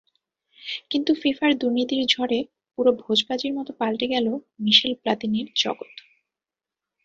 কিন্তু ফিফার দুর্নীতির ঝড়ে পুরো ভোজবাজির মতো পাল্টে গেল মিশেল প্লাতিনির জগৎ।